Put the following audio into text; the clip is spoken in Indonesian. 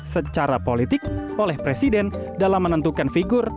secara politik oleh presiden dalam menentukan figur